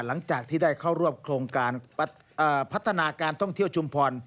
หลังจากที่ได้เข้าร่วมโครงการพัฒนาการท่องเที่ยวชุมพร